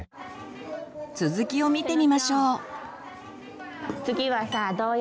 続きを見てみましょう。